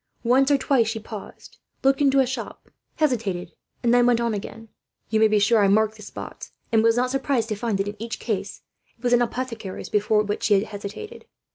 Once or twice she paused, looked into a shop, hesitated, and then went on again. You may be sure I marked the spots, and was not surprised to find that, in each case, it was an apothecary's before which she had hesitated.